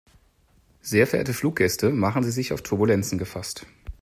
Sehr verehrte Fluggäste, machen Sie sich auf Turbulenzen gefasst.